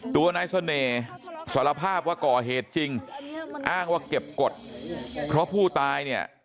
ตัวนายเสน่ห์สารภาพว่าก่อเหตุจริงอ้างว่าเก็บกฎเพราะผู้ตายเนี่ย